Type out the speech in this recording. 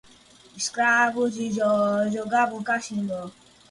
Escravos de Jó jogavam caxangá